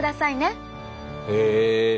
へえ。